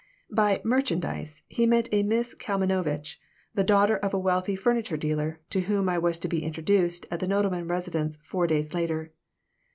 By "merchandise" he meant a Miss Kalmanovitch, the daughter of a wealthy furniture dealer, to whom I was to be introduced at the Nodelman residence four days later.